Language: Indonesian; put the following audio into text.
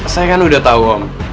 saya kan udah tahu om